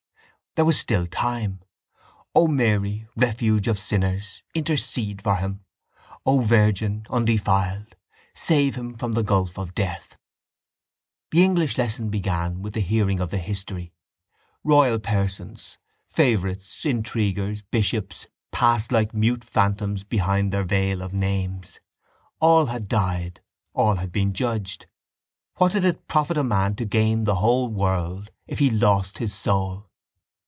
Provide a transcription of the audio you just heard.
There was still time. O Mary, refuge of sinners, intercede for him! O Virgin Undefiled, save him from the gulf of death! The English lesson began with the hearing of the history. Royal persons, favourites, intriguers, bishops, passed like mute phantoms behind their veil of names. All had died: all had been judged. What did it profit a man to gain the whole world if he lost his soul?